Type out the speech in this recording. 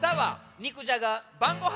肉じゃが。